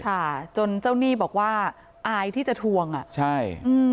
ค่ะจนเจ้าหนี้บอกว่าอายที่จะทวงอ่ะใช่อืม